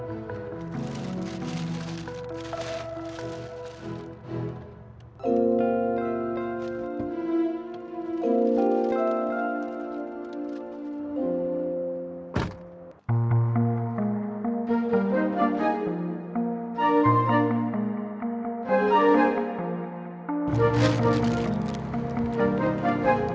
nanti gue kasih